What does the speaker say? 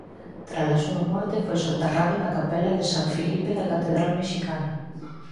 Trala súa morte foi soterrado na capela de San Filipe da catedral mexicana.